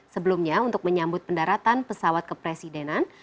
sebelumnya untuk menyambut pendaratan pesawat kepresidenan